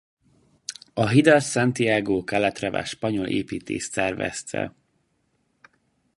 A hidat Santiago Calatrava spanyol építész tervezte.